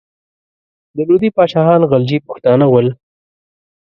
د لودي پاچاهان غلجي پښتانه ول.